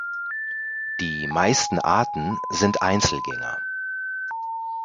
Die meisten Arten sind Einzelgänger.